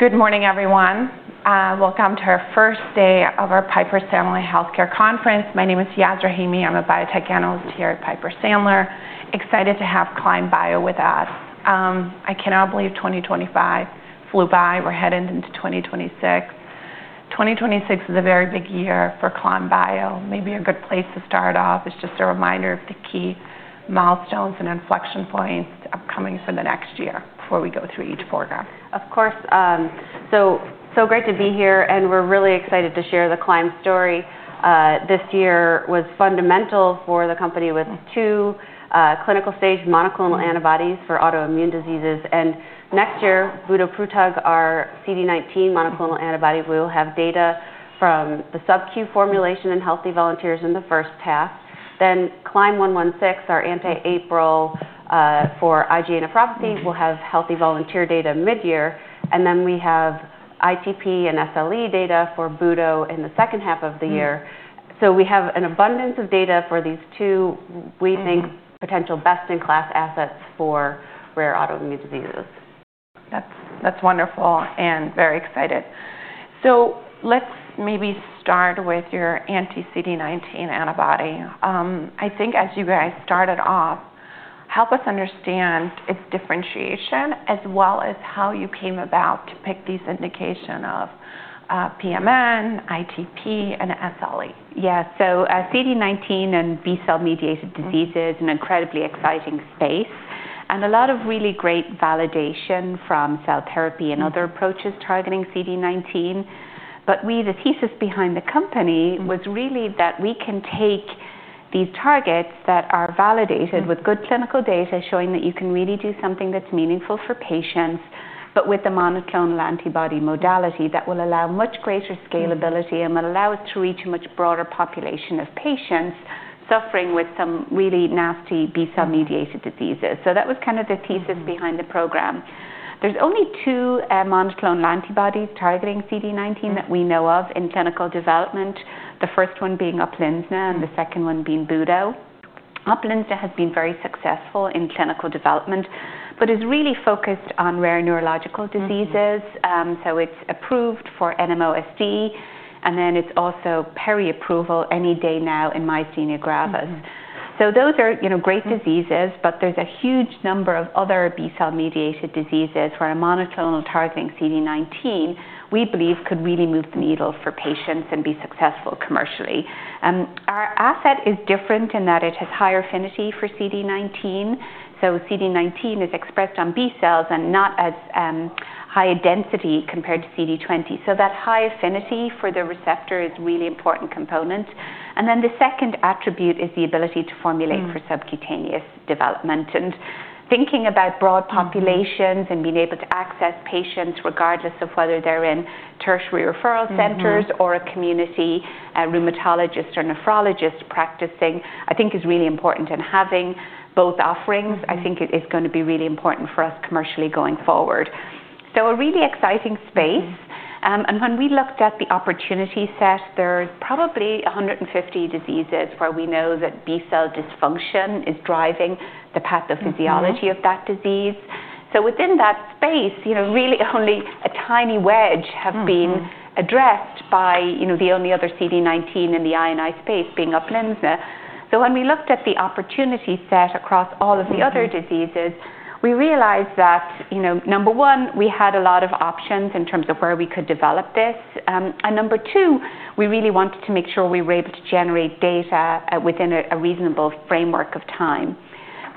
Good morning, everyone. Welcome to our first day of our Piper Sandler Healthcare Conference. My name is Yaz Rahimi. I'm a Biotech Analyst here at Piper Sandler. Excited to have Climb Bio with us. I cannot believe 2025 flew by. We're heading into 2026. 2026 is a very big year for Climb Bio. Maybe a good place to start off is just a reminder of the key milestones and inflection points upcoming for the next year before we go through each program. Of course. It is great to be here, and we're really excited to share the Climb story. This year was fundamental for the company with two clinical-stage monoclonal antibodies for autoimmune diseases. Next year, budoprutug, our CD19 monoclonal antibody, we will have data from the subQ formulation in healthy volunteers in the first half. CLYM116, our anti-APRIL for IgA nephropathy, we'll have healthy volunteer data mid-year. We have ITP and SLE data for Budo in the second half of the year. We have an abundance of data for these two, we think, potential best-in-class assets for rare autoimmune diseases. That's wonderful and very exciting. Let's maybe start with your anti-CD19 antibody. I think as you guys started off, help us understand its differentiation as well as how you came about to pick these indications of PMN, ITP, and SLE. Yeah. CD19 and B-cell mediated disease is an incredibly exciting space, and a lot of really great validation from cell therapy and other approaches targeting CD19. The thesis behind the company was really that we can take these targets that are validated with good clinical data showing that you can really do something that's meaningful for patients, but with the monoclonal antibody modality that will allow much greater scalability and will allow us to reach a much broader population of patients suffering with some really nasty B-cell mediated diseases. That was kind of the thesis behind the program. There's only two monoclonal antibodies targeting CD19 that we know of in clinical development, the first one being UPLIZNA and the second one being Budo. UPLIZNA has been very successful in clinical development, but is really focused on rare neurological diseases. It's approved for NMOSD, and then it's also peri-approval any day now in myasthenia gravis. Those are great diseases, but there's a huge number of other B-cell mediated diseases where a monoclonal targeting CD19, we believe, could really move the needle for patients and be successful commercially. Our asset is different in that it has high affinity for CD19. CD19 is expressed on B-cells and not as high a density compared to CD20. That high affinity for the receptor is a really important component. The second attribute is the ability to formulate for subcutaneous development. Thinking about broad populations and being able to access patients regardless of whether they're in tertiary referral centers or a community rheumatologist or nephrologist practicing, I think is really important. Having both offerings, I think, is going to be really important for us commercially going forward. A really exciting space. When we looked at the opportunity set, there are probably 150 diseases where we know that B-cell dysfunction is driving the pathophysiology of that disease. Within that space, really only a tiny wedge has been addressed by the only other CD19 in the INI space being UPLIZNA. When we looked at the opportunity set across all of the other diseases, we realized that, number one, we had a lot of options in terms of where we could develop this. Number two, we really wanted to make sure we were able to generate data within a reasonable framework of time.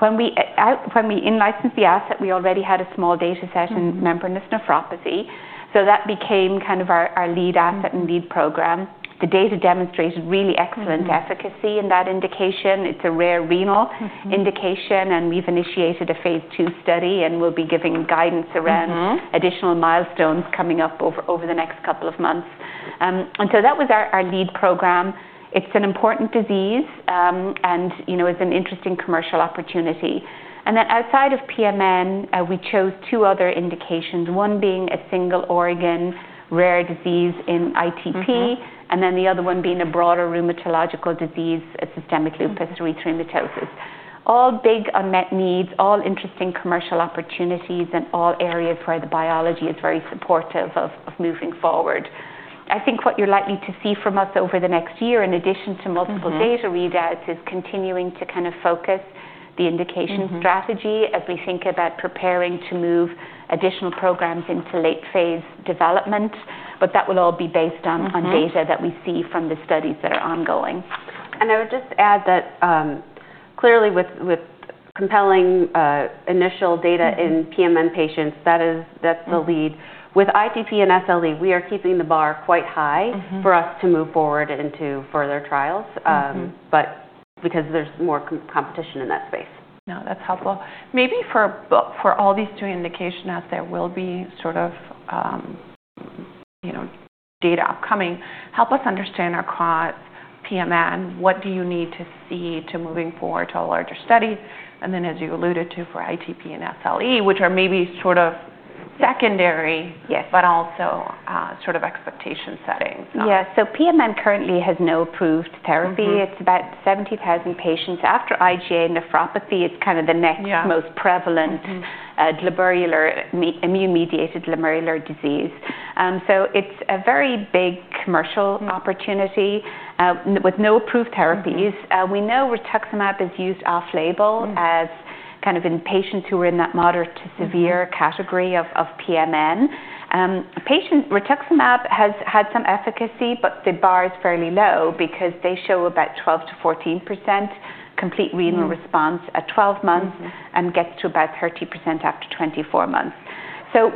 When we licensed the asset, we already had a small data set in membranous nephropathy. That became kind of our lead asset and lead program. The data demonstrated really excellent efficacy in that indication. It's a rare renal indication, and we've initiated a phase II study, and we'll be giving guidance around additional milestones coming up over the next couple of months. That was our lead program. It's an important disease, and it's an interesting commercial opportunity. Outside of PMN, we chose two other indications, one being a single organ rare disease in ITP, and the other one being a broader rheumatological disease, systemic lupus erythematosus. All big unmet needs, all interesting commercial opportunities, and all areas where the biology is very supportive of moving forward. I think what you're likely to see from us over the next year, in addition to multiple data readouts, is continuing to kind of focus the indication strategy as we think about preparing to move additional programs into late-phase development. That will all be based on data that we see from the studies that are ongoing. I would just add that clearly with compelling initial data in PMN patients, that's the lead. With ITP and SLE, we are keeping the bar quite high for us to move forward into further trials, because there's more competition in that space. No, that's helpful. Maybe for all these two indications, there will be sort of data upcoming. Help us understand across PMN, what do you need to see to moving forward to a larger study? As you alluded to, for ITP and SLE, which are maybe sort of secondary, but also sort of expectation setting. Yeah. PMN currently has no approved therapy. It's about 70,000 patients. After IgA nephropathy, it's kind of the next most prevalent immune-mediated glomerular disease. It's a very big commercial opportunity with no approved therapies. We know rituximab is used off-label as kind of in patients who are in that moderate to severe category of PMN. Rituximab has had some efficacy, but the bar is fairly low because they show about 12%-14% complete renal response at 12 months and get to about 30% after 24 months.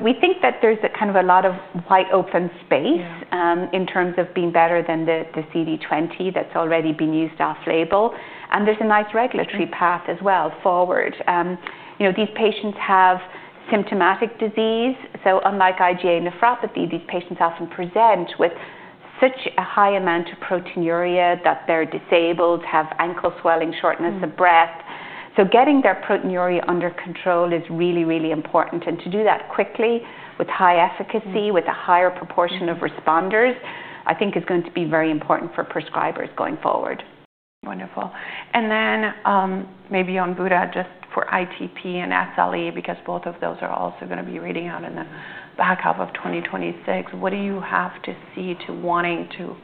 We think that there's kind of a lot of wide open space in terms of being better than the CD20 that's already been used off-label. There's a nice regulatory path as well forward. These patients have symptomatic disease. Unlike IgA nephropathy, these patients often present with such a high amount of proteinuria that they're disabled, have ankle swelling, shortness of breath. Getting their proteinuria under control is really, really important. To do that quickly with high efficacy, with a higher proportion of responders, I think is going to be very important for prescribers going forward. Wonderful. Maybe on Budo, just for ITP and SLE, because both of those are also going to be reading out in the back half of 2026, what do you have to see to wanting to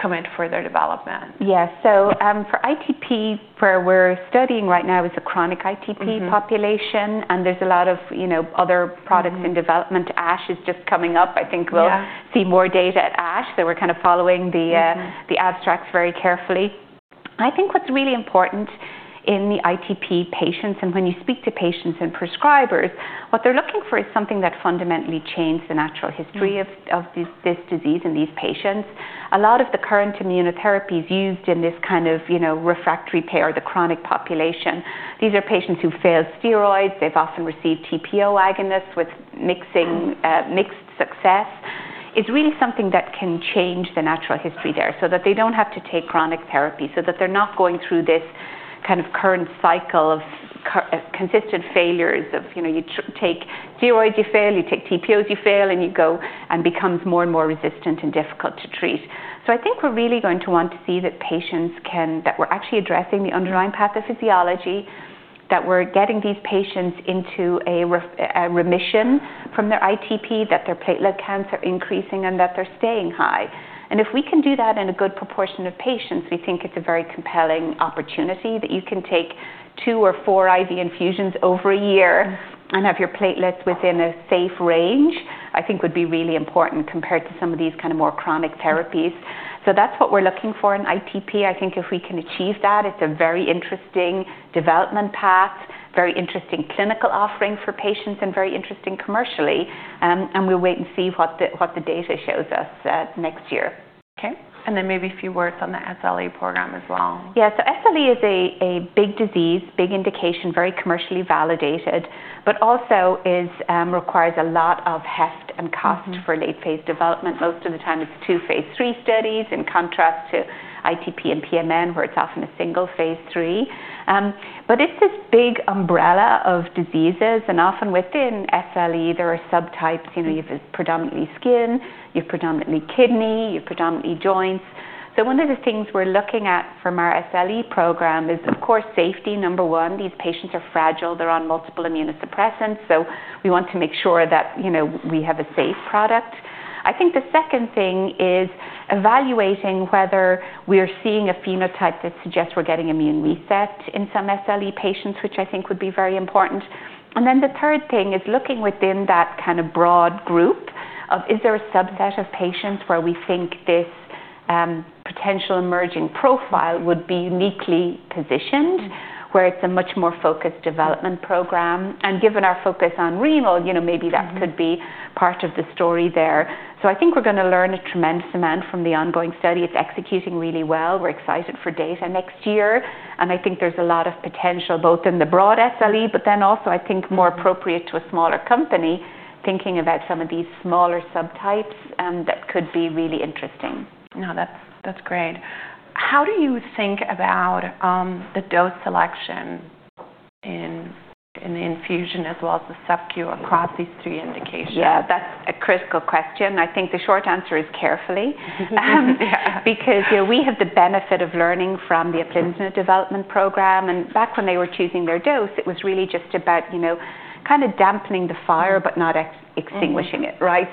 commit further development? Yeah. For ITP, where we're studying right now is a chronic ITP population, and there's a lot of other products in development. ASN is just coming up. I think we'll see more data at ASN. We're kind of following the abstracts very carefully. I think what's really important in the ITP patients, and when you speak to patients and prescribers, what they're looking for is something that fundamentally changed the natural history of this disease in these patients. A lot of the current immunotherapies used in this kind of refractory pay or the chronic population, these are patients who fail steroids. They've often received TPO agonists with mixed success. It's really something that can change the natural history there so that they don't have to take chronic therapy, so that they're not going through this kind of current cycle of consistent failures of you take steroids, you fail, you take TPOs, you fail, and you go, and it becomes more and more resistant and difficult to treat. I think we're really going to want to see that patients can, that we're actually addressing the underlying pathophysiology, that we're getting these patients into a remission from their ITP, that their platelet counts are increasing and that they're staying high. If we can do that in a good proportion of patients, we think it's a very compelling opportunity that you can take two or four IV infusions over a year and have your platelets within a safe range, I think would be really important compared to some of these kind of more chronic therapies. That is what we're looking for in ITP. I think if we can achieve that, it's a very interesting development path, very interesting clinical offering for patients, and very interesting commercially. We'll wait and see what the data shows us next year. Okay. Maybe a few words on the SLE program as well. Yeah. SLE is a big disease, big indication, very commercially validated, but also requires a lot of heft and cost for late-phase development. Most of the time, it's two phase III studies in contrast to ITP and PMN, where it's often a single phase III. It's this big umbrella of diseases. Often within SLE, there are subtypes. You have predominantly skin, you have predominantly kidney, you have predominantly joints. One of the things we're looking at from our SLE program is, of course, safety number one. These patients are fragile. They're on multiple immunosuppressants. We want to make sure that we have a safe product. I think the second thing is evaluating whether we are seeing a phenotype that suggests we're getting immune reset in some SLE patients, which I think would be very important. The third thing is looking within that kind of broad group of is there a subset of patients where we think this potential emerging profile would be uniquely positioned, where it's a much more focused development program. Given our focus on renal, maybe that could be part of the story there. I think we're going to learn a tremendous amount from the ongoing study. It's executing really well. We're excited for data next year. I think there's a lot of potential both in the broad SLE, but then also, I think, more appropriate to a smaller company, thinking about some of these smaller subtypes that could be really interesting. No, that's great. How do you think about the dose selection in the infusion as well as the subQ across these three indications? Yeah, that's a critical question. I think the short answer is carefully, because we have the benefit of learning from the UPLIZNA development program. Back when they were choosing their dose, it was really just about kind of dampening the fire, but not extinguishing it, right?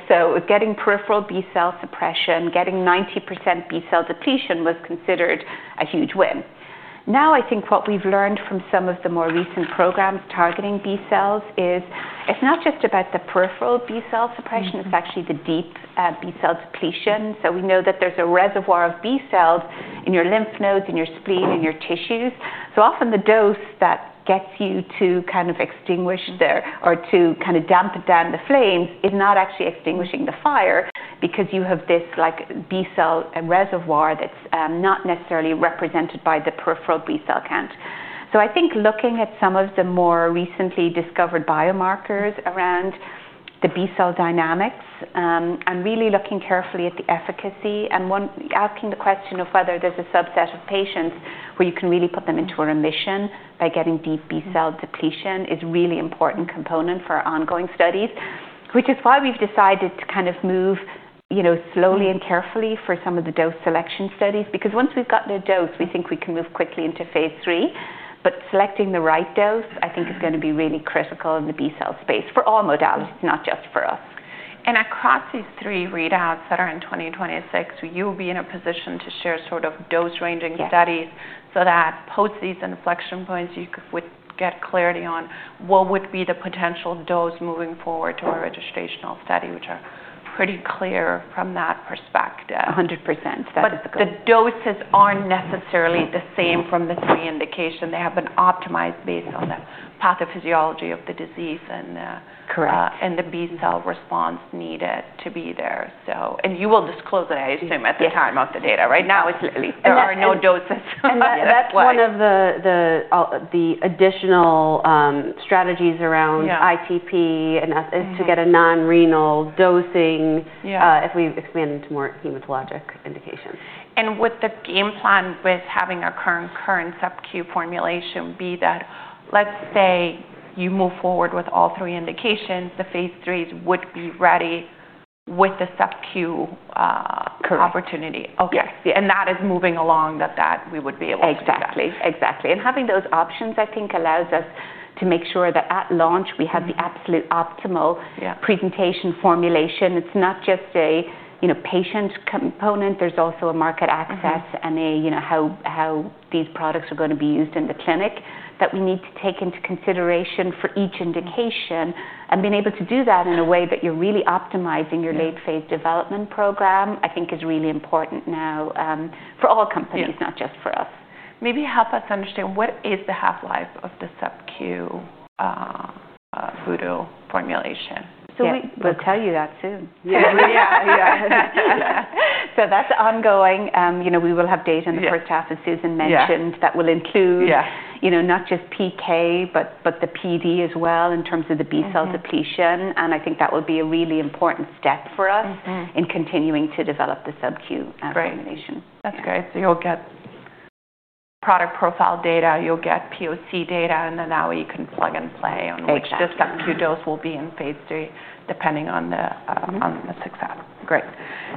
Getting peripheral B-cell suppression, getting 90% B-cell depletion was considered a huge win. Now, I think what we've learned from some of the more recent programs targeting B-cells is it's not just about the peripheral B-cell suppression. It's actually the deep B-cell depletion. We know that there's a reservoir of B-cells in your lymph nodes, in your spleen, in your tissues. Often the dose that gets you to kind of extinguish or to kind of dampen down the flames is not actually extinguishing the fire, because you have this B-cell reservoir that's not necessarily represented by the peripheral B-cell count. I think looking at some of the more recently discovered biomarkers around the B-cell dynamics and really looking carefully at the efficacy and asking the question of whether there's a subset of patients where you can really put them into a remission by getting deep B-cell depletion is a really important component for our ongoing studies, which is why we've decided to kind of move slowly and carefully for some of the dose selection studies, because once we've got the dose, we think we can move quickly into phase III. Selecting the right dose, I think, is going to be really critical in the B-cell space for all modalities, not just for us. Across these three readouts that are in 2026, you'll be in a position to share sort of dose-ranging studies so that post-season inflection points, you would get clarity on what would be the potential dose moving forward to our registrational study, which are pretty clear from that perspective. 100%. The doses are not necessarily the same from the three indications. They have been optimized based on the pathophysiology of the disease and the B-cell response needed to be there. You will disclose it, I assume, at the time of the data. Right now, there are no doses. That's one of the additional strategies around ITP is to get a non-renal dosing if we expand into more hematologic indications. Would the game plan with having a current subQ formulation be that, let's say you move forward with all three indications, the phase III would be ready with the subQ opportunity? Correct. Okay. That is moving along that we would be able to do that. Exactly. Exactly. Having those options, I think, allows us to make sure that at launch, we have the absolute optimal presentation formulation. It's not just a patient component. There's also a market access and how these products are going to be used in the clinic that we need to take into consideration for each indication. Being able to do that in a way that you're really optimizing your late-phase development program, I think, is really important now for all companies, not just for us. Maybe help us understand what is the half-life of the subQ Budo formulation. We will tell you that soon. Yeah. Yeah. That is ongoing. We will have data in the first half, as Susan mentioned, that will include not just PK, but the PD as well in terms of the B-cell depletion. I think that will be a really important step for us in continuing to develop the subQ formulation. That's great. You'll get product profile data, you'll get POC data, and now you can plug and play on which the subQ dose will be in phase III, depending on the success. Great.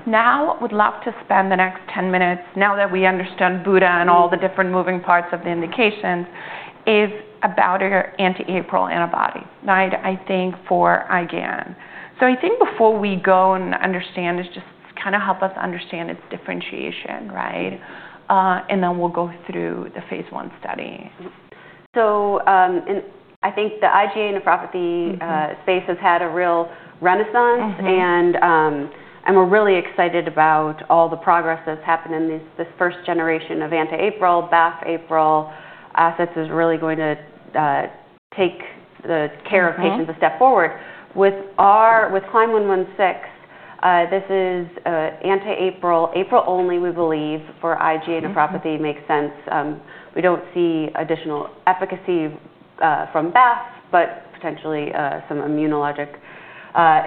I would love to spend the next 10 minutes, now that we understand Budo and all the different moving parts of the indications, about your anti-APRIL antibody, right, I think, for IgA. I think before we go and understand, just kind of help us understand its differentiation, right? Then we'll go through the phase I study. I think the IgA nephropathy space has had a real renaissance, and we're really excited about all the progress that's happened in this first generation of anti-APRIL, BAFF-APRIL assets is really going to take the care of patients a step forward. With R-116, this is anti-APRIL, APRIL only, we believe, for IgA nephropathy makes sense. We don't see additional efficacy from BAFF, but potentially some immunologic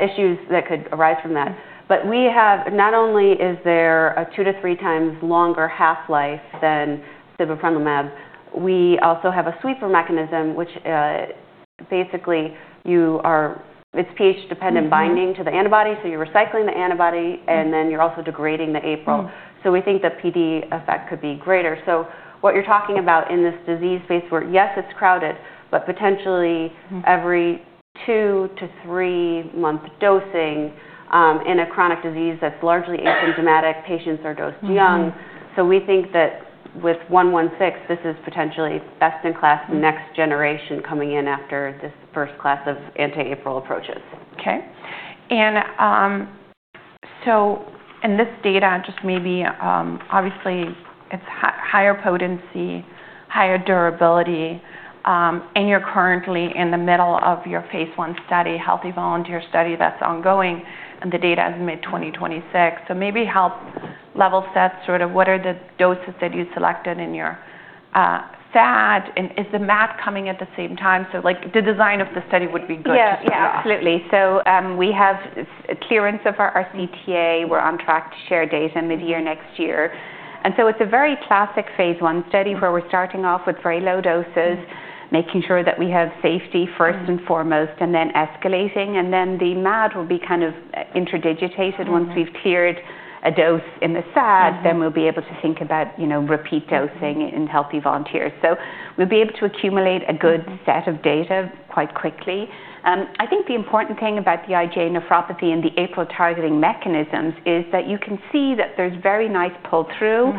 issues that could arise from that. Not only is there a two- to three-times longer half-life than sibeprenlimab, we also have a sweeper mechanism, which basically it's pH-dependent binding to the antibody. You're recycling the antibody, and then you're also degrading the APRIL. We think the PD effect could be greater. What you're talking about in this disease space where, yes, it's crowded, but potentially every two to three-month dosing in a chronic disease that's largely asymptomatic, patients are dosed young. We think that with 116, this is potentially best-in-class next generation coming in after this first class of anti-APRIL approaches. Okay. In this data, just maybe obviously it's higher potency, higher durability, and you're currently in the middle of your phase I study, healthy volunteer study that's ongoing, and the data is mid-2026. Maybe help level set sort of what are the doses that you selected in your SAD, and is the MAT coming at the same time? The design of the study would be good too. Yeah, absolutely. We have clearance of our CTA. We're on track to share data mid-year next year. It is a very classic phase I study where we're starting off with very low doses, making sure that we have safety first and foremost, and then escalating. The MAD will be kind of interdigitated once we've cleared a dose in the SAD, then we'll be able to think about repeat dosing in healthy volunteers. We'll be able to accumulate a good set of data quite quickly. I think the important thing about the IgA nephropathy and the APRIL targeting mechanisms is that you can see that there's very nice pull-through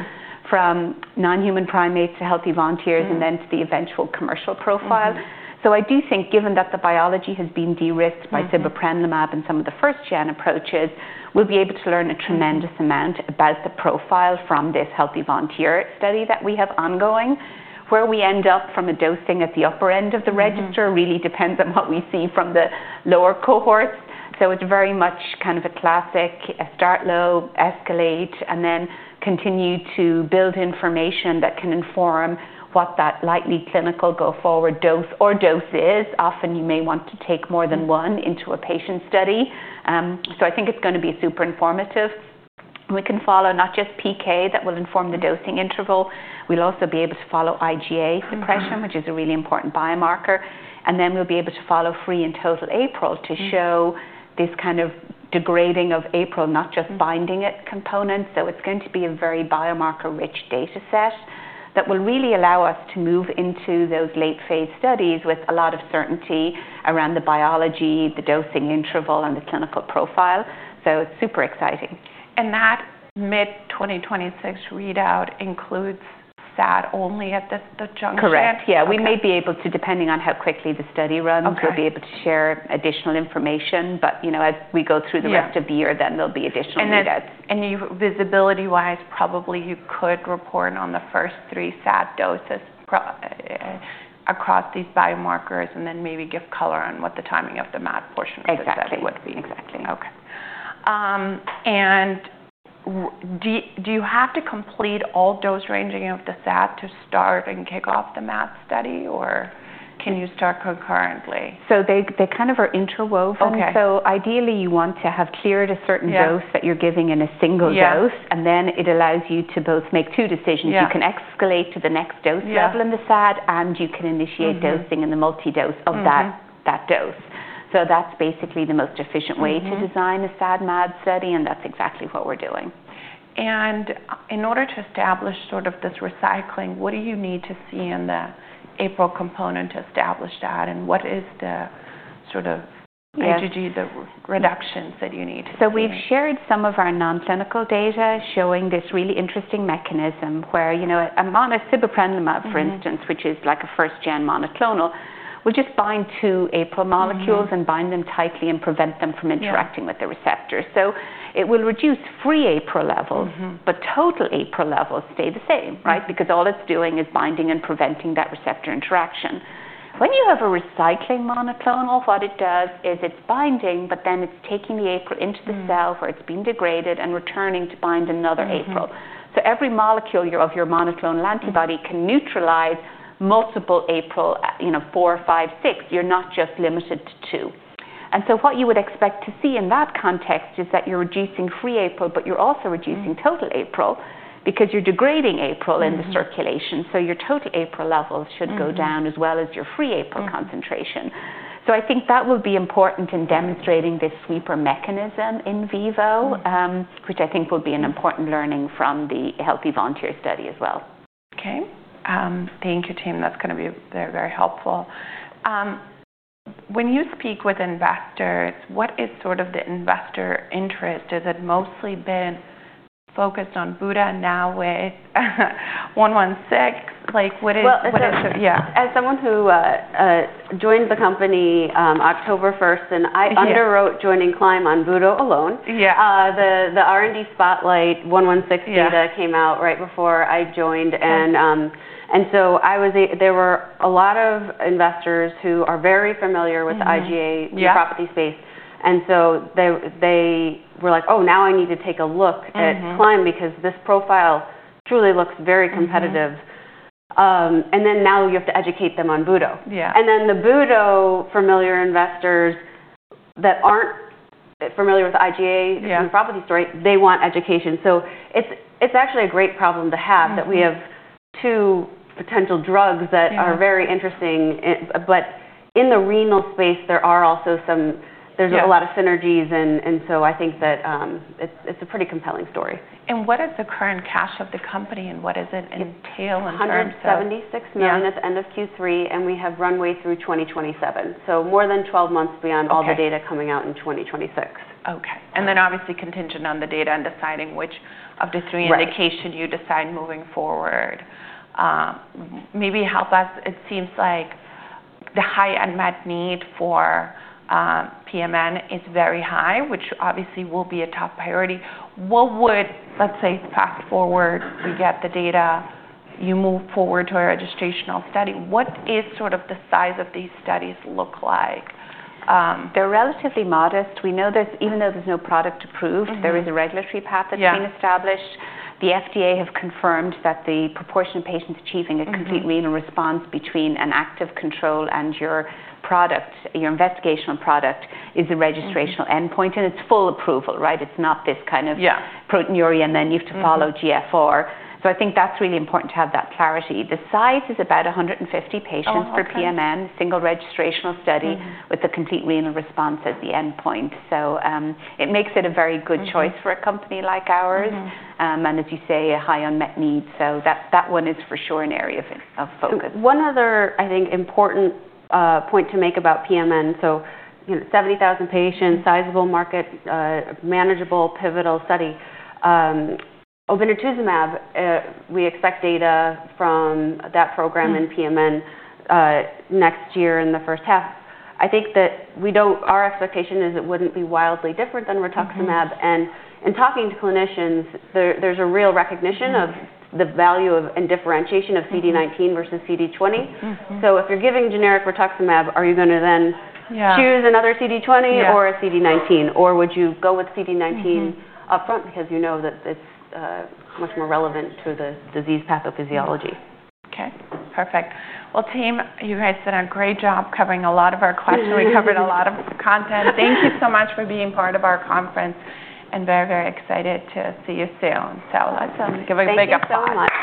from non-human primates to healthy volunteers and then to the eventual commercial profile. I do think given that the biology has been de-risked by sibeprenlimab and some of the first-gen approaches, we'll be able to learn a tremendous amount about the profile from this healthy volunteer study that we have ongoing, where we end up from a dosing at the upper end of the register. It really depends on what we see from the lower cohorts. It is very much kind of a classic start low, escalate, and then continue to build information that can inform what that likely clinical go-forward dose or doses is. Often you may want to take more than one into a patient study. I think it's going to be super informative. We can follow not just PK that will inform the dosing interval. We'll also be able to follow IgA suppression, which is a really important biomarker. We will be able to follow free and total APRIL to show this kind of degrading of APRIL, not just binding its components. It is going to be a very biomarker-rich data set that will really allow us to move into those late-phase studies with a lot of certainty around the biology, the dosing interval, and the clinical profile. It is super exciting. That mid-2026 readout includes SAD only at the juncture? Correct. Yeah. We may be able to, depending on how quickly the study runs, we'll be able to share additional information. As we go through the rest of the year, there'll be additional readouts. Visibility-wise, probably you could report on the first three SAD doses across these biomarkers and then maybe give color on what the timing of the MAD portion of the study would be. Exactly. Exactly. Okay. Do you have to complete all dose ranging of the SAD to start and kick off the MAT study, or can you start concurrently? They kind of are interwoven. Ideally, you want to have cleared a certain dose that you're giving in a single dose, and then it allows you to both make two decisions. You can escalate to the next dose level in the SAD, and you can initiate dosing in the multi-dose of that dose. That's basically the most efficient way to design a SAD-MAD study, and that's exactly what we're doing. In order to establish sort of this recycling, what do you need to see in the APRIL component to establish that, and what is the sort of reductions that you need to see? We've shared some of our non-clinical data showing this really interesting mechanism where a monosibuprenlimab, for instance, which is like a first-gen monoclonal, will just bind to APRIL molecules and bind them tightly and prevent them from interacting with the receptor. It will reduce free APRIL levels, but total APRIL levels stay the same, right? Because all it's doing is binding and preventing that receptor interaction. When you have a recycling monoclonal, what it does is it's binding, but then it's taking the APRIL into the cell where it's being degraded and returning to bind another APRIL. Every molecule of your monoclonal antibody can neutralize multiple APRIL, four, five, six. You're not just limited to two. What you would expect to see in that context is that you're reducing free APRIL, but you're also reducing total APRIL because you're degrading APRIL in the circulation. Your total APRIL levels should go down as well as your free APRIL concentration. I think that will be important in demonstrating this sweeper mechanism in vivo, which I think will be an important learning from the healthy volunteer study as well. Okay. Thank you, team. That's going to be very helpful. When you speak with investors, what is sort of the investor interest? Has it mostly been focused on Budo now with 116? What is the? As someone who joined the company October 1st, and I underwrote joining Climb on Budo alone, the R&D Spotlight 116 data came out right before I joined. There were a lot of investors who are very familiar with the IgA nephropathy space. They were like, "Oh, now I need to take a look at Climb because this profile truly looks very competitive." Now you have to educate them on Budo. The Budo familiar investors that are not familiar with the IgA nephropathy story, they want education. It is actually a great problem to have that we have two potential drugs that are very interesting. In the renal space, there are also some, there is a lot of synergies, and I think that it is a pretty compelling story. What is the current cash of the company, and what does it entail in terms of? $176 million at the end of Q3, and we have runway through 2027. More than 12 months beyond all the data coming out in 2026. Okay. Obviously contingent on the data and deciding which of the three indications you decide moving forward. Maybe help us. It seems like the high unmet need for PMN is very high, which obviously will be a top priority. Let's say fast forward, we get the data, you move forward to a registrational study. What is sort of the size of these studies look like? They're relatively modest. We know that even though there's no product approved, there is a regulatory path that's been established. The FDA has confirmed that the proportion of patients achieving a complete renal response between an active control and your investigational product is a registrational endpoint, and it's full approval, right? It's not this kind of proteinuria, and then you have to follow GFR. I think that's really important to have that clarity. The size is about 150 patients for PMN, single registrational study with a complete renal response as the endpoint. It makes it a very good choice for a company like ours. As you say, a high unmet need. That one is for sure an area of focus. One other, I think, important point to make about PMN. Seventy thousand patients, sizable market, manageable, pivotal study. Obinutuzumab, we expect data from that program in PMN next year in the first half. I think that our expectation is it would not be wildly different than rituximab. In talking to clinicians, there is a real recognition of the value and differentiation of CD19 versus CD20. If you are giving generic rituximab, are you going to then choose another CD20 or a CD19? Or would you go with CD19 upfront because you know that it is much more relevant to the disease pathophysiology? Okay. Perfect. Team, you guys did a great job covering a lot of our questions. We covered a lot of content. Thank you so much for being part of our conference, and very, very excited to see you soon. Let's give a big applause.